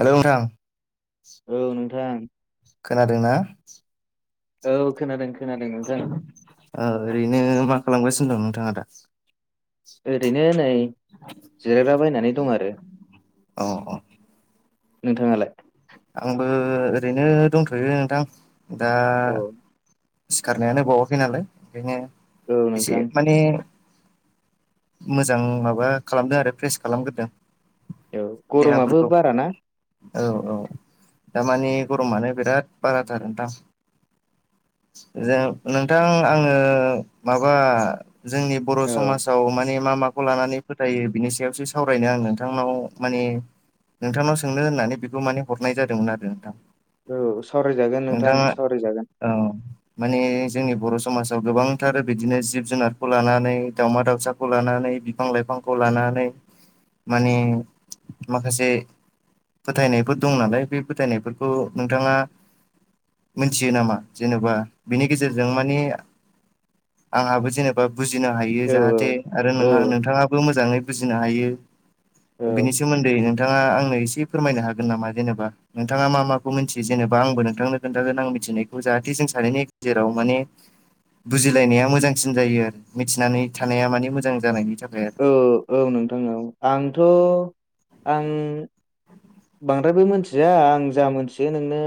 Hello नोंथां। औ नोंथां। खोनादोंना औ खोनादों ख ओह ओरैनो मा खालामगासिनो दं नोंथांआ दा ओरैनो नै जिरायग्रा बायनानै दं आरो अ अ नोंथाङालाय आंबो ओरैनो दंथ'यो नोंथां दा। औ सिखारनायानो बावाखै नालाय ओंखायनो औ एसे नोंथां माने मोजां माबा खालामदों आरो फ्रेस खालामगोरदों। औ गर'माबो बारा ना? औ औ दामानि गरमानो बिराद बाराथार नोंथां। जों नोंथां आङो माबा जोंनि बर' औ समाजाव माने मा माखौ लानानै फोथायो बिनि सायावसो सावरायनो आं नोंथांनाव माने नोंथांनाव सोंनो होननानै बेखौ माने हरनाय जादोंमोन आरो नोंथां। औ सावरायजागोन नोंथां नोंथाङा सावरायजागोन। औ माने जोंनि बर' समाजाव गोबांथार बिदिनो जिब जुनारखौ लानानै दाउमा-दाउसा खौलानानै बिफां लाइफांखौ लानानै माने माखासे फोथायनायफोर दं नालाय बे फोथायनायफोरखौ नोंथाङा मोनथियो नामा? जेनेबा बिनि गेजेरजों मानि आंहाबो जेनेबा बा बुजिनो हायो औ जाहाथे आरो नोंहा नोंथाङाबो मोजाङै बुजिनो हायो। औ बिनि सोमोन्दै नोंथाङा आंनो एसे फोरमायनो हागोन नामा जेनेबा नोंथाङा मा माखौ मिथियो जेनेबा आंबो नोंथांनो खोन्थागोन आं मिथिनायखौ जाहाथे जों सानैनि गेजेराव माने बुजिलायनाया मोजांसिन जायो आरो मिथिनानै थानाया माने मोजां जानायनि थाखाय आरो औ औ नोंथां औ आंथ' आं बांद्रायबो मिथिया आं जा मोनथियो नोंनो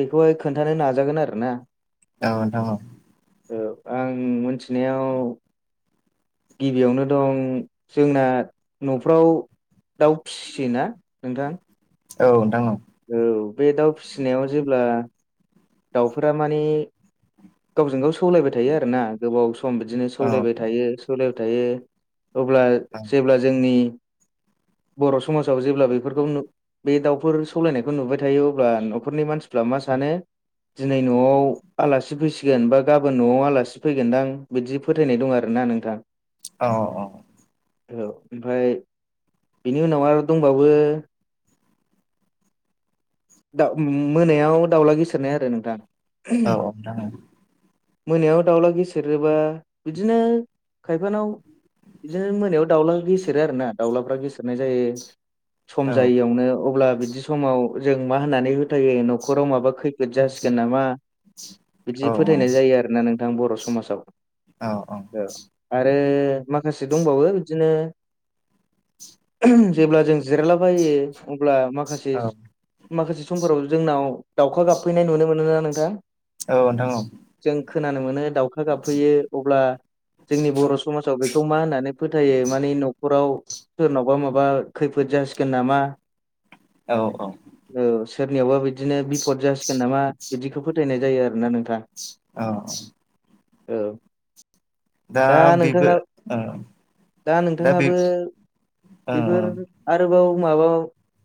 बेखौहाय खोन्थानो नाजागोन आरोना औ नोंथां औ। औ आं मोनथिनायाव गिबियावनो दं जोंना न'फ्राव दाउ फिसियो ना नोंथां। औ नोंथां औ औ बे दाउ फिसिनायाव जेब्ला दाउफोरा माने गावजों गाव सौलायबाय थायो आरोना गोबाव सम बिदिनो औ सौलायबाय थायो सौलायबाय थायो अब्ला जेब्ला जोंनि बर' समाजाव जेब्ला बेफोरखौ नो बे दाउफोर सौलायनायखौ नुबाय थायो अब्ला न'खरनि मानसिफ्रा मा सानो दिनै न'आव आलासि फैसि गोन बा गाबोन न'आव आलासि फैगोनदां बिदि फोथायनाय दं आरो ना नोंथां। अ-अ औ ओमफाय बेनि उनाव आरो दंबावो ओम मोनायाव दाउला गिसिरनाय आरो नोंथां औ औ नोंथां औ मोनायाव दाउला गेसेेरोबा बिदिनो खायफानाव बिदिनो मोनायाव दाउला गेसेेरो आरो ना दाउलाफ्रा गेसेेरनाय जायो। औ सम जायैयावनो अब्ला बिदि समाव जों मा होननानै होथायो न'खराव माबा खै द जासिगोन नामा बिदि फोथायनाय जायो आरो ना नोंथां बर' समाजाव। औ औ औ आरो माखासे दंबावो बिदिनो जेब्ला जों जिरायलाबायो अब्ला माखासे माखासे समफोराव जोंनाव दाउखा गाबफैनाय नुनो मोनो ना नोंथां? औ नोंथां औ जों खोनानो मोनो दाउखा गाबहैयो अब्ला जोंनि बर' समाजाव बेखौ मा होननानै फोथायो माने न'खराव सोरनावबा माबा खैफोद जासिगोन नामा औ औ औ सोरनियावबा बिदिनो बिफद जासिगोन नामा बिदिखौ फोथायनाय जायो आरो ना नोंथां। औ औ दा नोंथाङा दा नोंथाङाबो बेफोर आरोबाव माबा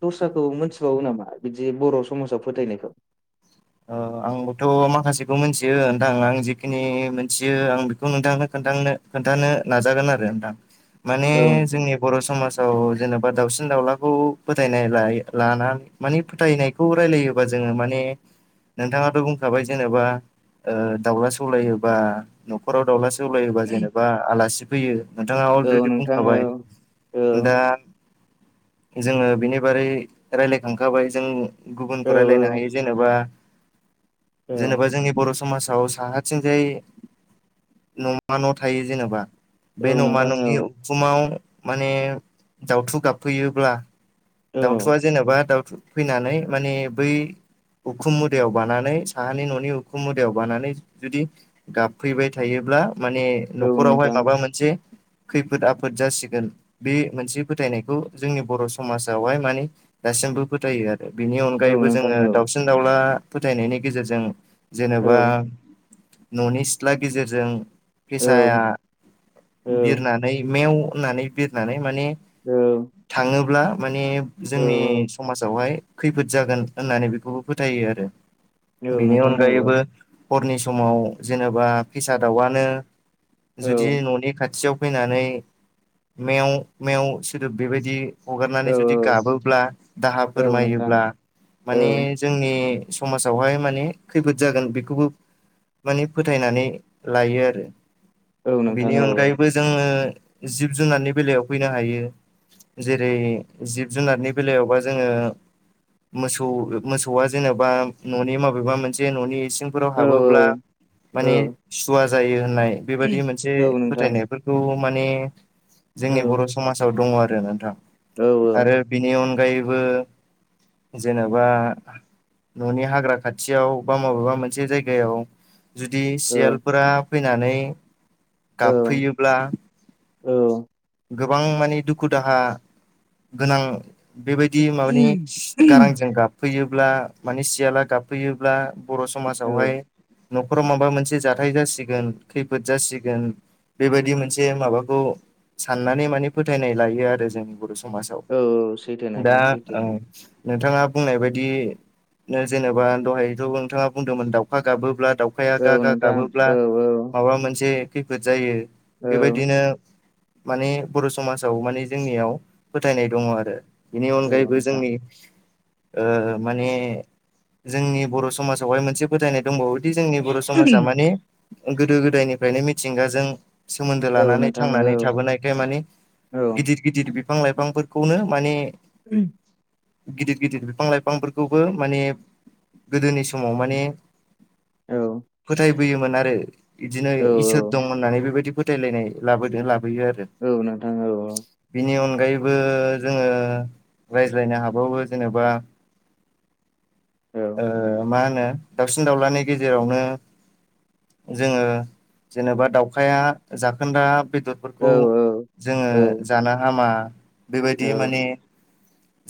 दस्राखौ मोनथिबावो नामा? बिदि बर' समाजाव फोथायनायखौ आंबोथ' माखासेखौ मिथियो नोंथां आं जिखिनि मोनथियो आं बेखौ नोंथांनो खोन्थानो खोन्थानो नाजागोन आरो नोंथां माने औ नोंथां जोंनि बर' समाजाव जेनेबा दाउसिन दाउलाखौ फोथायनाय लानानै मानि फोथायनाय खौ रायलायोबा जोङो माने नोंथाङाथ' बुंखाबाय जेनेबा ओ दाउला सौलायोबा न'खराव दाउला सौलायोबा जेनेबा आलासि फैयो नोंथाङा औ अलरेडि नोंथां औ बुंखाबाय औ दा जोङो बिनि बारै रायलायखांखाबाय जों गुबुनखौ औ रायलायनो हायो। जेनेबा औ जेनेबा जोंनि बर' समाजाव साहाथिंजाय न'मा न' थायो जेनेबा। औ बे न'मा नोंथां औ न'नि उखुमाव माने दावथु गाबफैयोब्ला औ दाउथुआ जेनेबा दाउथु फैनानै माने बै उखुम मुदयाव बानानै साहानि न'नि उखुम मुदायाव बानानै जुदि गाबफैबाय थायोब्ला माने औ न'खरावहाय नोंथां माबा मोनसे खैफोद आफोद जासिगोन बे मोनसे फोथायनायखौ जोंनि बर' समाजावहाय मानेदासिमबो फोथायो आरो। बिनि औ अनगायैबो नोंथां जोङो औ दाावसिन दाउला फोथायनायनि गेजेरजों जेनेबा औ न'नि सिथ्ला गेजेरजों औ फेसाया औ बिरनानै मेव होननानै बिरनानै माने औ थाङोब्ला माने औ जोंनि समाजावहाय -' खैफोद जागोन होननानै बेखौबो फोथायो आरो। औ बेनि नोंथां औ अनगायैबो हरनि समाव जेनेबा फेसा दाउआनो औ जुदि न'नि खाथियाव फैनानै मेव -मेव सोदोब बेबायदि औ हगारनानै जुदि गाबोब्ला दाहा औ नोंथां फोरमायोब्ला माने औ जोंनि समाजावहाय माने खैफोद जागोन बेखौबो माने फोथायनानै लायो आरो औ नोंथां ।बिनि औ अनगायैबो जोङो जिब जुनारनि बेलायाव फैनो हायो जेरै जिब जुनारनि बेलायावबा जोङो मोसौ मोसौआ जेनेबा बा ननि माबेबा मोनसे ननि इसिं फोराव औ हाबोब्ला औ माने सुवा जायो होननाय बेबायदि मोनसे औ नोंथां फोथायनाय बेफोरखौ माने औ जोंनि बर' समाजाव दङ आरो नोंथां ।आरो बिनि अनगायैबो जेनेबा न'नि हाग्रा खाथियाव बा मबेबा मोनसे जायगायाव जुदि सियालफोरा फैनानै गाबफैयोब्ला औ गोबां माने दुखु दाहा गोनां बेबायदि माबानि गारांजों गाबफैयोब्ला माने सियाला गाबफैयोब्ला बर' औ समाजावहाय न'खराव माबा मोनसे जाथाय जासिगोन खैफोद जासिगोन। बेबायदि मोनसे माबाखौ साननानै माने फोथायनाय लायो आरो ।जोंनि बर' समाजाव औ सैथो दा नोंथां सैथो ओं नोंथाङा बुंनाय बायदि जेनेबा दहायथ' नोंथाङा बुंदोंमोन दाउखा गाबोब्ला दाउ खाया औ गा गा नोंथां गाबोब्ला औ माबा मोनसे खैफोद जायो औ बेबायदिनो माने बर' समाजाव माने जोंनियाव फोथायनाय दङ' आरो। बेनि औ अनगायैबो नोंथां जोंनि ओ माने जोंनि बर' समाजावहाय मोनसे फोथायनाय दंबावोदि जोंनि बर' समाजा मानि गोदो गोदायनिफ्रायनो मिथिंगाजों सोमोन्दो औ लानानै नोंथां औ थांनानै थाबोनायखाय मानि औ गिदिर गिदिर बिफां लाइफांफोरखौनो माने उम। गिदिर गिदिर बिफां लाइफांफोरखौबो माने गोदोनि समाव माने औ। फोथायबोयोमोन आरो इदिनो इसोर दं होननानै बेबायदि फोथायलायनाय लाबोदों लाबोयो आरो । औ नोंथां औ औ। बिनि अनगायैबो जोङो रायज्लायनो हाबावो जेनेबा औ ओ मा होनो दाउसिन दावलानि गेजेरावनो जोङो जेनेबा दाउखाया जाखोन्दा बेदर फोरखौ जोङो औ जानो हामा औ बेबायदि औ माने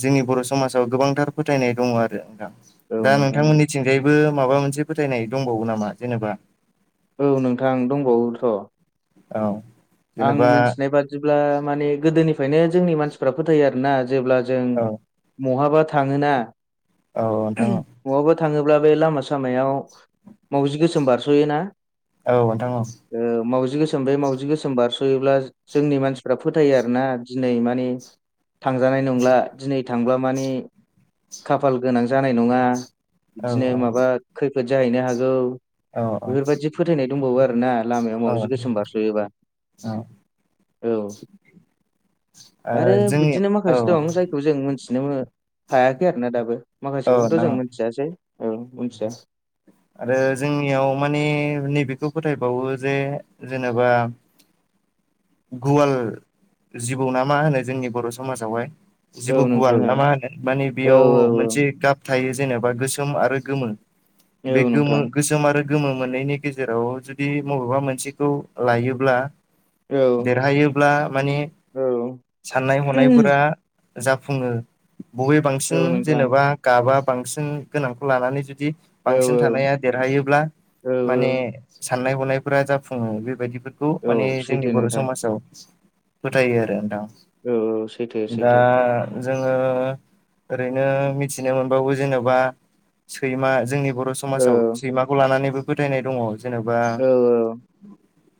जोंनि बर' समाजाव गोबांथार फोथायनाय दङ' आरो नोंथां औ दा नोंथां औ नोंथांमोननि थिंजायबो माबा मोनसे फोथायनाय दंबावो नामा जेनेबा औ नोंथां दंबावोथ'। औ। आं जेनेबा मिथिनाय बादिब्ला माने गोदोनिफ्रायनो जोंनि मानसिफ्रा फोथायो आरोना जेब्ला जों औ बहाबा थाङोना औ नोंथां औ बहाबा थाङोब्ला बे लामा सामायाव मावजि गोसोम बारस'योना? औ नोंथां औ। ओ मावजि गोसोम बे मावजि गोसोम बारस'योब्ला जोंनि मानसिफ्रा फोथायो आरोना दिनै मानि थांजानाय नंला दिनै थांब्ला माने खाफाल गोनां जानाय नङा औ बिदिनो माबा खैफोद जाहैनो हागौ औ औ बेफोरबायदि फोथायनाय दंबावो आरोना। लामायाव ओ मावजि गोसोम बारस'योबा औ। आरो जोंनि बिदिनो औ माखासे दं जायखौ जों मोनथिनो मो हायाखै आरोना दाबो औ माखासेखौबोथ' नोंथां जों मोनथियासै औ मोनथिया। आरो जोंनियाव माने नैबेखौ फोथायबावो जे जेनेबा गुवाल जिबौ ना मा होनो जोंनि बर' समाजावहाय औ जिबौ गुवाल नोंथां औ ना मा होनो माने औ बेयाव मोनसे गाब थायो जेनेबा गोसोम आरो गोमो। औ बे औ गोमो नोंथां गोसोम आरो गोमो मोननैनि गेजेराव जुदि बबेबा मोनसेखौ लायोब्ला औ देरहायोब्ला माने औ साननाय हनायफोरा जाफुङो। बबे बांसिन औ नोंथां जेनेबा गाबा बांसिन गोनांखौ लानानै जुदि औ बांसिन थानाया देरहायोब्ला औ माने साननाय हनायफोरा जाफुङो बेबायदिबो बे खौ औ माने जोंनि सैथो बर' नोंथां समाजाव फोथायो आरो नोंथां। औ औ सैथो दा सैथो जोङो ओरैनो मिथिनो मोनबावो जेन'बा सैमा जोंनि बर' औ समाजाव सैमाखौ लानानैबो फोथायनाय दङ जेनेबा औ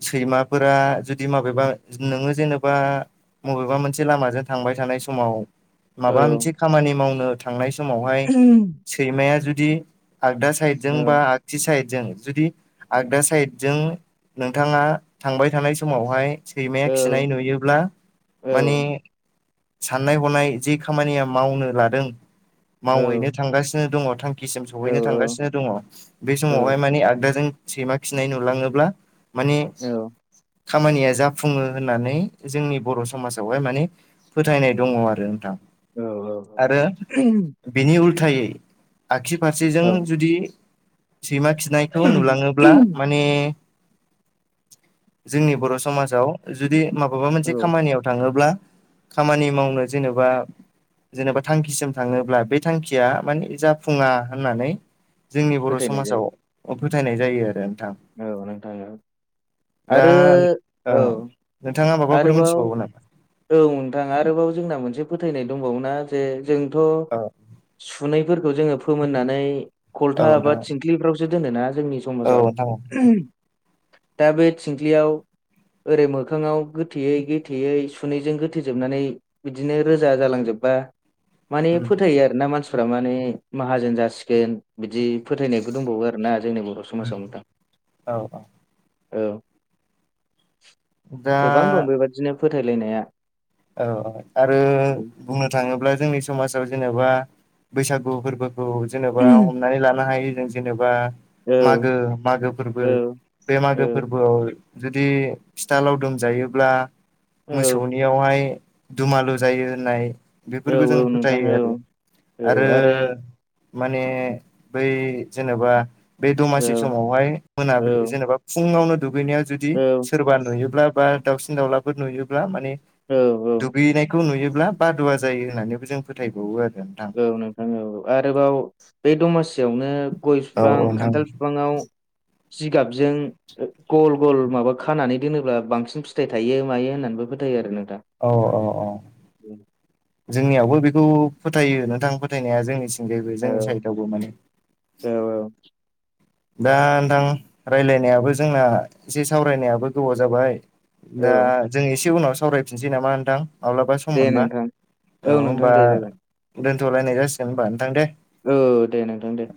सैमाफोरा जुदि माबेबा नोङो जेनेबा मबेबा मोनसे लामाजों थांबाय थानाय समाव औ माबा मोनसे खामानि मावनो थांनाय समावहाय सैमाया जुदि आगदा साइदजों औ बा आगथि साइदजों जुदि आगदा साइडजों नोंथाङा थांबाय थानाय समावहाय सैमाया औ खिनाय नुयोब्ला औ माने साननाय हनाय जे खामानिया मावनो लादों। मावहैनो थांगासिनो दङ थांखि सिम औ सहैनो थांगासिनो दङ बे समावहाय मानिे आगदाजों सैमा खिनाय नुलाङोब्ला माने औ खामानिया जाफुङो होननानै जोंनि बर' समाजावहाय माने फोथायनाय दङ आरो नोंथां आरो बिनि उल्थायै आगसि औ फारसेजों जुदि सैमा खिनायखौ नुलाङोब्ला माने जोंनि बर' समाजाव जुदि माबाबा मोनसे औ खामानियाव थाङोब्ला खामानि मावनो जेनेबा जेनेबा थांखिसिम थाङोब्ला बे थांखिया माने जाफुङा होननानै जोंनि बर' फोथायनाय जायो समाजाव फोथायनाय जायो आरो नोंथां। औ नोंथां औ। दा आरो औ नोंथाङा माबाफोर आरोबाव मिथिबावो नामा औ नोंथां आरोबाव जोंना मोनसे फोथायनाय दंबावोना जे जोंथ' औ सुनैफोरखौ जोङो फोमोननानै औ खलथा नोंथां बा थिंख्लिफ्रावसो दोनो ना जोंनि औ समाजाव नोंथां औ दा बे सिंख्लियाव ओरै मोखाङाव गोथेयै गोथेयै सुनैजों गोथोजोबनानै बिदिनो रोजा जालांजोबबा माने फोथायो आरो ना मानसि मानफ्रा माने माहाजोन जासिगोन बिदि फोथायनायबो दंबावो आरोना जोंनि बर' समाजाव नोंथां। औ औ औ दा गोबां दं बेबादिनो फोथायलायनाया। औ औ आरो बुंनो थाङोब्ला जोंनि समाजाव जेनेबा बैसागु फोरबोखौ जेनेबा हमनानै लानो हायो जों जेनेबा औ मागो मागो फोरबो औ बे मागो औ फोरबोआव जुदि फिथालाव दोमजायोब्ला औ मोसौनियावहाय दुमालु जायो होनाय औ बेफोरखौ जों औ नोंथां फोथायो औ आरो आरो माने बै जेनेबा बे औ दमासि समावहाय मोनाबिलि जेनेबा फुङावनो दुगैनायाव जुदि औ सोरबा नुयोब्ला बा दाउसिन दाउलाफोर नुयोब्ला माने औ औ। दगैनायखौ नुयोब्ला बादुवा जायो होननानैबो जों फोथायबावो आरो नोंथां। औ नोंथाङ आरोबाव बे दमासियावनो गय औ बिफां औ नोंथां खान्थाल बिफां आव जिगाबजों गल गल माबा खानानै दोनोब्ला बांसिन फिथायाइ थायो मायो होननानैबो फोथायो आरो नोंथां। औ औ औ जोंनियावबो बेखौ फोथायो नोंथां फोथायनाया जोंनि औ जोंनि साइदआवबो माने औ दा नोंथां रायज्लायनायाबो जोंना एसे सावरायनायाबो गोबाव जाबाय दा औ जों एसे उनाव सावरायफिनसै नामा नोंथां माब्लाबा सम दे मोनबा नोंथां औ नोंथां होनोमबा दे जागोन दोनथ'लायनाय जासिगोन होनबा नोंथां दे। औ दे नोंथां दे।